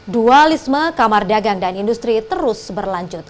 dualisme kamar dagang dan industri terus berlanjut